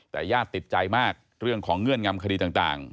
แต่ญาติติดใจมากเรื่องของเงื่อนงำคดีต่าง